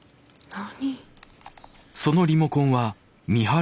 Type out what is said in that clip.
何？